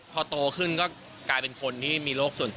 พอโตขึ้นก็กลายเป็นคนที่